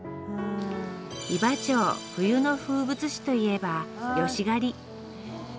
伊庭町冬の風物詩といえばヨシ刈り。